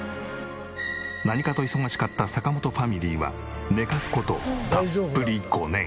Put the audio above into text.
何かと忙しかった坂本ファミリーは寝かす事たっぷり５年。